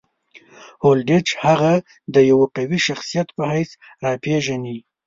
هولډیچ هغه د یوه قوي شخصیت په حیث راپېژني.